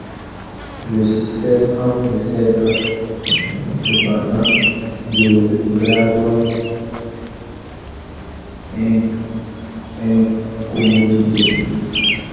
Le système possède cependant de graves incommodités.